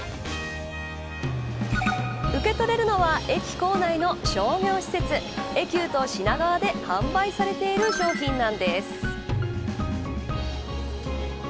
受け取れるのは駅構内の商業施設エキュート品川で販売されている商品なんです。